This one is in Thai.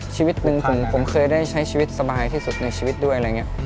ชีวิตหนึ่งผมเคยได้ใช้ชีวิตสบายที่สุดในชีวิตด้วย